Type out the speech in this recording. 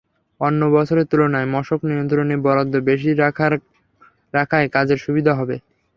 অন্য বছরের তুলনায় মশক নিয়ন্ত্রণে বরাদ্দ বেশি রাখায় কাজের সুবিধা হবে।